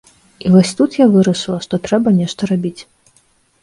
І вось тут я вырашыла, што трэба нешта рабіць.